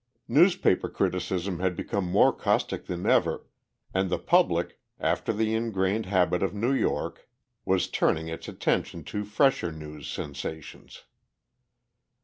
Newspaper criticism had become more caustic than ever, and the public, after the ingrained habit of New York, was turning its attention to fresher news sensations.